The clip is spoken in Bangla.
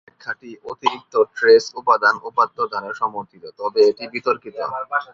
এই ব্যাখ্যাটি অতিরিক্ত ট্রেস উপাদান উপাত্ত দ্বারা সমর্থিত, তবে এটি বিতর্কিত।